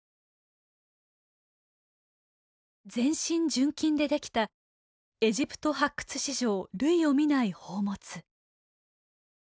全身純金で出来たエジプト発掘史上類を見ない宝物。